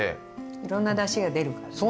いろんなだしが出るからね。